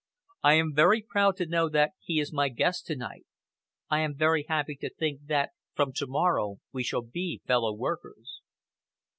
I am very proud to know that he is my guest to night. I am very happy to think that from tomorrow we shall be fellow workers."